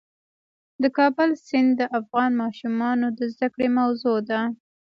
د کابل سیند د افغان ماشومانو د زده کړې موضوع ده.